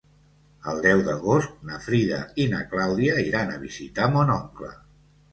El deu d'agost na Frida i na Clàudia iran a visitar mon oncle.